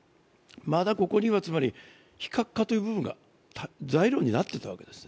まだ、ここにはつまり、非核化という部分が材料になっていたわけです。